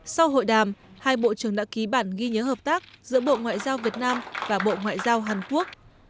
sau hội đàm hai bộ trưởng đã ký bản ghi nhớ hợp tác giữa bộ ngoại giao việt nam và bộ ngoại giao hàn quốc